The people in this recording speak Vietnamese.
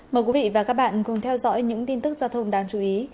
chào mừng quý vị và các bạn cùng theo dõi những tin tức giao thông đáng chú ý